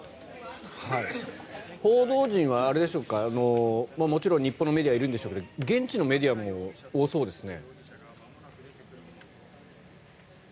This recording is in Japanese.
報道陣はもちろん日本のメディアはいるんでしょうけど現地のメディアも多そうですね。